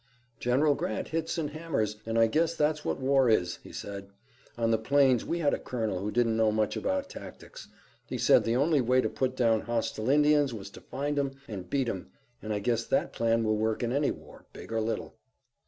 "General Grant hits and hammers, and I guess that's what war is," he said. "On the plains we had a colonel who didn't know much about tactics. He said the only way to put down hostile Indians was to find 'em, and beat 'em, and I guess that plan will work in any war, big or little."